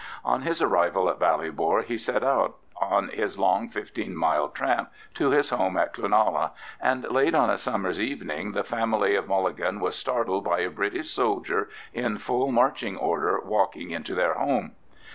On his arrival at Ballybor he set out on his long fifteen mile tramp to his home at Cloonalla, and late on a summer's evening the family of Mulligan were startled by a British soldier in full marching order walking into their home.